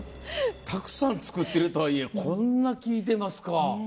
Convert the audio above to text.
たくさん作ってるとはいえこんな聞いてますか。